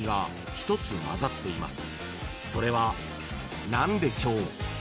［それは何でしょう？］